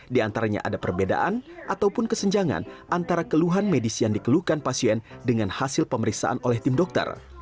di antaranya ada perbedaan ataupun kesenjangan antara keluhan medis yang dikeluhkan pasien dengan hasil pemeriksaan oleh tim dokter